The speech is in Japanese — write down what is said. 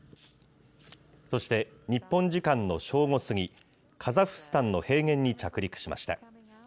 そして日本時間の正午過ぎ、カザフスタンの平原に着陸しました。